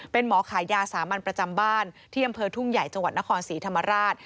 เป็นหมอขายยาสามัญประจำบ้านที่อำเภอทุ่งใหญ่จังหวัดนครศรีธรรมราช